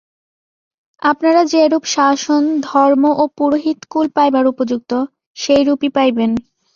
আপনারা যেরূপ শাসন, ধর্ম ও পুরোহিতকুল পাইবার উপযুক্ত, সেইরূপই পাইবেন।